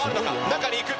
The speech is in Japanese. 中に行く。